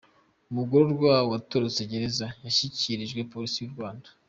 Umugororwa watorotse gereza yashyikirijwe polisi y’ u Rwanda .